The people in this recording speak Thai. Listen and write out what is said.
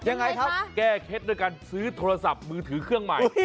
ยังไงครับแก้เคล็ดด้วยการซื้อโทรศัพท์มือถือเครื่องใหม่